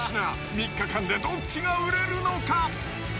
３日間でどっちが売れるのか？